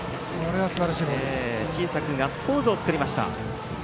小さくガッツポーズを作りました。